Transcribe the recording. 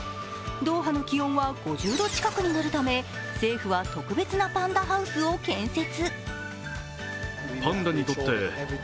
ドーハの気温は５０度近くになるため、政府は特別なパンダハウスを建設。